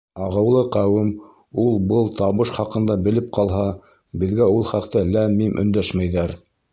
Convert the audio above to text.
Ағыулы ҡәүем ул-был табыш хаҡында белеп ҡалһа, беҙгә ул хаҡта ләм-мим өндәшмәйҙәр.